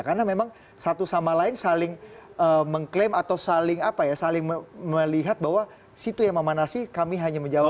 karena memang satu sama lain saling mengklaim atau saling melihat bahwa situ yang memanasih kami hanya menjawab